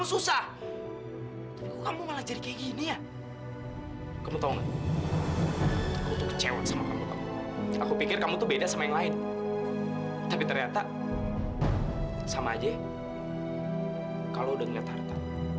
sampai jumpa di video selanjutnya